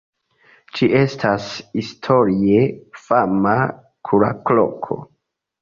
Ĝi estas historie fama kuracloko.